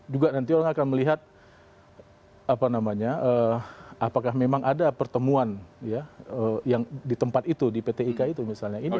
juga nanti orang akan melihat apakah memang ada pertemuan di tempat itu di pt ika itu misalnya